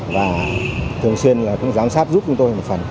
và thường xuyên cũng giám sát giúp chúng tôi một phần